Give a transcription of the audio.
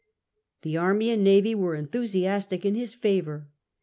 The army and navy were enthusiastic in his favour.